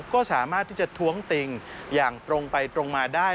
ก็สามารถที่จะท้วงติ่งอย่างตรงไปตรงมาได้